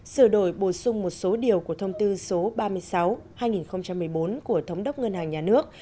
sửa đổi bổ sung một số điều của thông tư số ba mươi sáu hai nghìn một mươi bốn của thống đốc ngân hàng nhà nước